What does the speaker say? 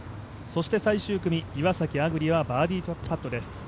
そして最終組、岩崎亜久竜はバーディーパットです。